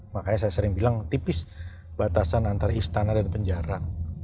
makanya saya sering bilang tipis batasan antara istana dan penjara